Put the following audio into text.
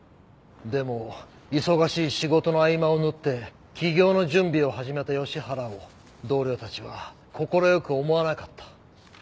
でも忙しい仕事の合間を縫って起業の準備を始めた吉原を同僚たちは快く思わなかった。